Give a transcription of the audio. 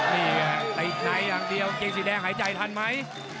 นี่ไงติดในอย่างเดียวเกงสีแดงหายใจทันไหม